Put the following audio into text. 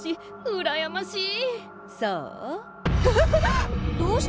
うらやましい！